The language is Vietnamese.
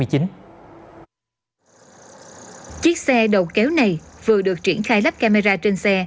chiếc xe đầu kéo này vừa được triển khai lắp camera trên xe